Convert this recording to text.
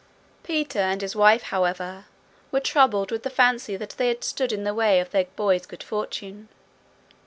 Peter and his wife, however, were troubled with the fancy that they had stood in the way of their boy's good fortune.